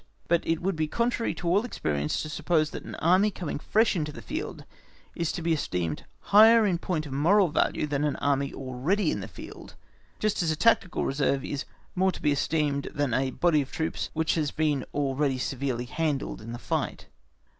But it would be contrary to all experience to suppose that an Army coming fresh into the field is to be esteemed higher in point of moral value than an Army already in the field, just as a tactical reserve is more to be esteemed than a body of troops which has been already severely handled in the fight.